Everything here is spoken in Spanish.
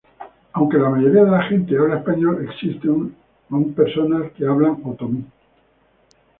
Aunque la mayoría de la gente habla español, existen aún personas hablan otomí.